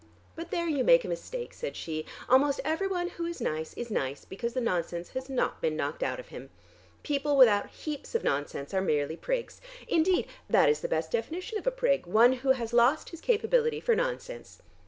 "But there you make a mistake," said she. "Almost every one who is nice is nice because the nonsense has not been knocked out of him. People without heaps of nonsense are merely prigs. Indeed that is the best definition of a prig, one who has lost his capability for nonsense.